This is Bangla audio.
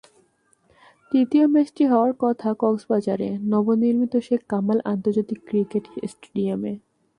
তৃতীয় ম্যাচটি হওয়ার কথা কক্সবাজারে নবনির্মিত শেখ কামাল আন্তর্জাতিক ক্রিকেট স্টেডিয়ামে।